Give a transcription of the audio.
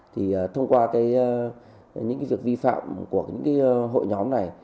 thì thông qua những việc vi phạm của những hội nhóm này